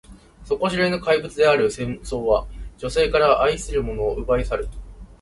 底知れぬ怪物である戦争は、女性から愛する者を奪い去る。